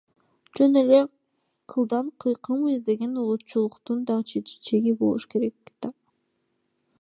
Жөн эле кылдан кыйкым издеген улутчулдуктун да чеги болуш керек ко.